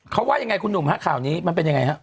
เขาว่ายังไงคุณหนุ่มฮะข่าวนี้มันเป็นยังไงฮะ